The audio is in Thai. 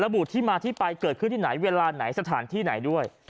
บุที่มาที่ไปเกิดขึ้นที่ไหนเวลาไหนสถานที่ไหนด้วย